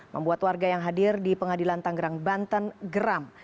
membuat warga yang hadir di pengadilan tanggerang banten geram